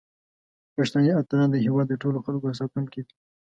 پښتني اتلان د هیواد د ټولو خلکو ساتونکي دي.